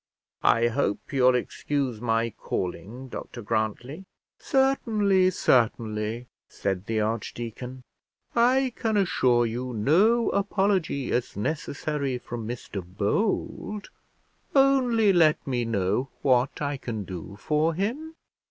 "I hope you'll excuse my calling, Dr Grantly." "Certainly, certainly," said the archdeacon; "I can assure you, no apology is necessary from Mr Bold; only let me know what I can do for him."